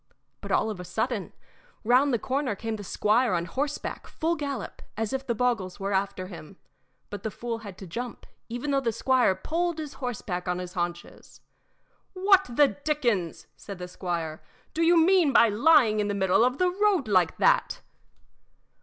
But all of a sudden, round the corner came the squire on horseback, full gallop, as if the boggles were after him; but the fool had to jump, even though the squire pulled his horse back on his haunches. "What the dickens," said the squire, "do you mean by lying in the middle of the road like that?"